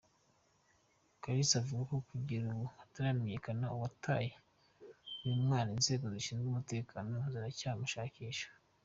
Kalisa avuga ko kugera ubu hataramenyekana uwataye uyu mwana, inzego zishinzwe umutekano ziracyamushakisha.